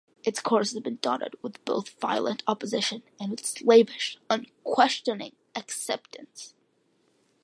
Its course has been dotted with both violent opposition and with slavish, unquestioning acceptance.